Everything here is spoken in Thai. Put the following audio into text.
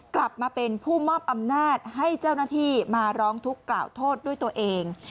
กลับมาเป็นผู้มอบอำนาจให้เจ้าหน้าที่มาร้องทุกข์กล่าวโทษด้วยตัวเอง